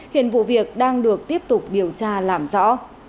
hiện vụ việc đang được tiếp tục điều tra làm rõ